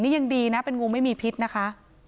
นี่ยังดีนะเป็นงูไม่มีพิษนะคะ